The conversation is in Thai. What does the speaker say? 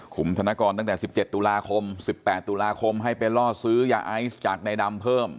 ธนกรตั้งแต่๑๗ตุลาคม๑๘ตุลาคมให้ไปล่อซื้อยาไอซ์จากในดำเพิ่ม